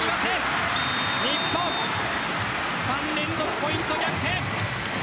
日本、３連続ポイント逆転。